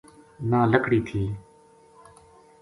نہ لکڑی تھی